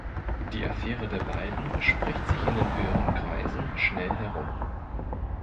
Die Affäre der beiden spricht sich in den höheren Kreisen schnell herum.